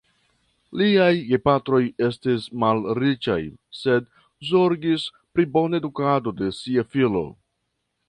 Liaj gepatroj estis malriĉaj, sed zorgis pri bona edukado de sia filo.